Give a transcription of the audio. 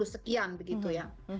delapan puluh sekian begitu ya